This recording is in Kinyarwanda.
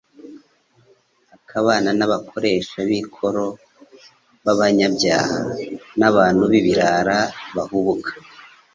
akabana n'abakoresha b'ikoro b'abanyabyaha, n'abantu b'ibirara bahubuka,